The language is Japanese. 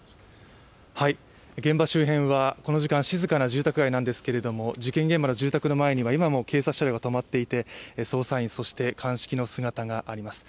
現場周辺はこの時間、静かな住宅街なんですけれども事件現場の住宅の前には今も警察車両が止まっていて捜査員、そして鑑識の姿があります。